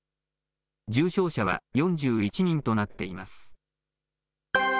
重症者は４１人となっています。